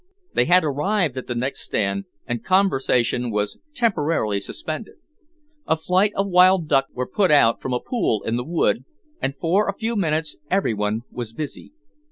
They had arrived at the next stand, and conversation was temporarily suspended. A flight of wild duck were put out from a pool in the wood, and for a few minutes every one was busy.